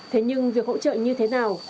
thế nhưng việc hỗ trợ như thế nào